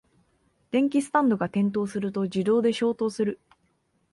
電気スタンドが転倒すると自動で消灯する